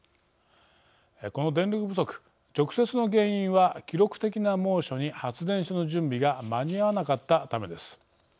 この電力不足、直接の原因は記録的な猛暑に発電所の準備が間に合わなかったためです。